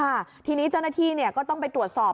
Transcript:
ค่ะทีนี้เจ้าหน้าที่เนี่ยก็ต้องไปตรวจสอบ